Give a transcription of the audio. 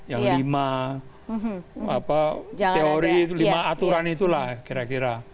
yang lima teori lima aturan itulah kira kira